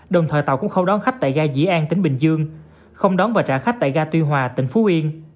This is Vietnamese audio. đồng thời tàu cũng không đón khách tại ga dĩ an tỉnh bình dương không đón và trả khách tại ga tuy hòa tỉnh phú yên